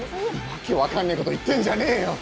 訳わかんねえ事言ってんじゃねえよ。